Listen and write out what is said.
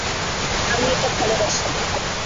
আমি এটা ভালোবাসি!